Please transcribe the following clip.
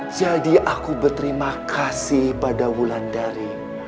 jadi aku berterimakasih pada bulan dari